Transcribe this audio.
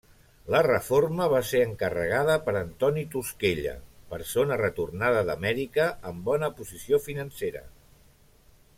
La reforma va ser encarregada per Antonio Tosquella, persona retornada d'Amèrica amb bona posició financera.